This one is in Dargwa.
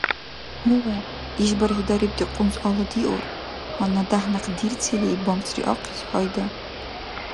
Гьу, ишбархӀи дарибти къунзъала диур. Гьанна дяхӀ-някъ дирцили бамсри ахъес, гьайда!